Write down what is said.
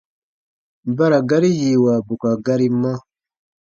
Ba ra gari yiiwa bù ka gari ma.